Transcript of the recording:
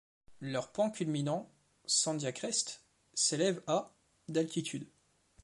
Leur point culminant, Sandia Crest, s'élève à d'altitude.